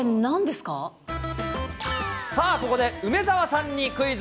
さあ、ここで梅澤さんにクイズ。